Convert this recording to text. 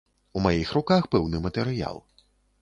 У маіх руках пэўны матэрыял.